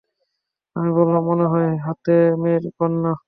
আমি বললাম, মনে হয় হাতেমের কন্যা।